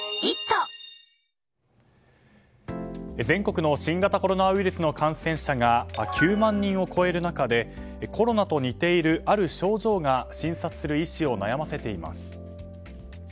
全国の新型コロナウイルスの感染者が９万人を超える中でコロナと似ているある症状が診察する医師を悩ませています。